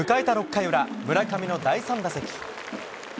６回裏、村上の第３打席。